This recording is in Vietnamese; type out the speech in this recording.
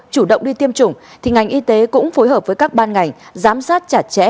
chủ động đi tiêm chủng thì ngành y tế cũng phối hợp với các ban ngành giám sát chặt chẽ